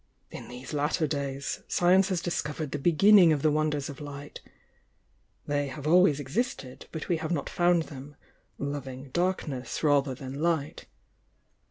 In these latter days, science has discovered the begm ning of the wonders of Light,— they have always existed, but we have not found them, 'lovmg dark ness rather than light.'